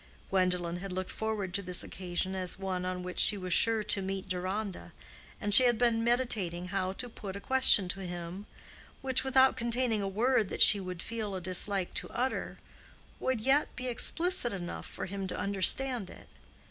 Gwendolen had looked forward to this occasion as one on which she was sure to meet Deronda, and she had been meditating how to put a question to him which, without containing a word that she would feel a dislike to utter, would yet be explicit enough for him to understand it.